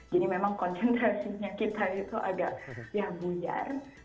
jadi memang konsentrasinya kita itu agak ya bunyar